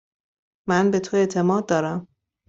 من به تو اعتماد دارم.